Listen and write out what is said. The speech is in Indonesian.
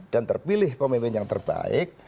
dan terpilih pemimpin yang terbaik